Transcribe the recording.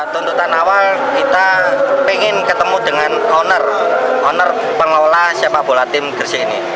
tuntutan awal kita ingin ketemu dengan owner owner pengelola sepak bola tim gresik ini